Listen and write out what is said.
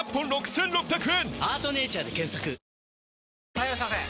・はいいらっしゃいませ！